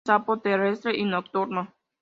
Es un sapo terrestre y nocturno.